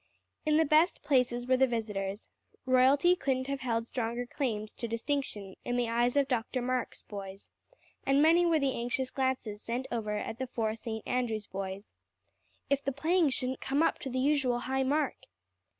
In the best places were the visitors. Royalty couldn't have held stronger claims to distinction in the eyes of Dr. Marks' boys; and many were the anxious glances sent over at the four St. Andrew's boys. If the playing shouldn't come up to the usual high mark!